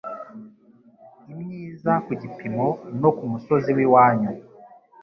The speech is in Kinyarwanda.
Imyiza kugipimo no k'umusozi w'iwanyu